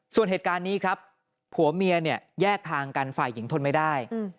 ส่วนเหตุการณ์นี้ครับผัวเมียเนี่ยแยกทางกันฝ่ายหญิงทนไม่ได้